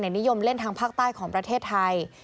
นิยมเล่นทางภาคใต้ของประเทศไทย